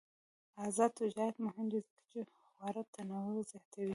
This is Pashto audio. آزاد تجارت مهم دی ځکه چې خواړه تنوع زیاتوي.